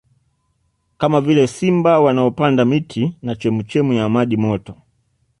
Kama vile simba wanaopanda miti na chemuchemu ya maji moto